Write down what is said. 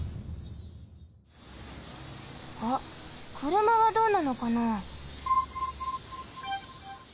あっくるまはどうなのかな？